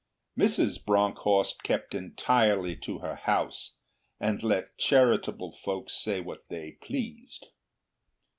Mrs. Bronckhorst kept entirely to her house, and let charitable folks say what they pleased.